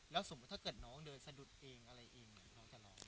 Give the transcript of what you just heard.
แล้วสมมุติถ้าเกิดน้องเดินสะดุดเองอะไรอีก